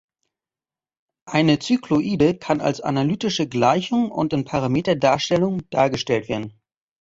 Eine Zykloide kann als analytische Gleichung und in Parameterdarstellung dargestellt werden.